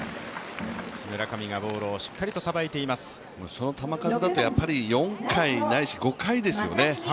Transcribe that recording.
その球数だと４回ないし５回ですよね。